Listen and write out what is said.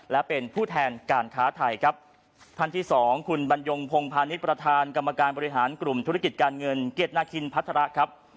และเป็นผู้แทนการค้าไทยครับท่านที่สองคุณบรรยงพงพาณิชย์ประธานกรรมการบริหารกลุ่มธุรกิจการเงินเกียรตินาคินพัฒระครับ